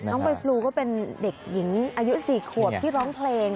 ใบพลูก็เป็นเด็กหญิงอายุ๔ขวบที่ร้องเพลง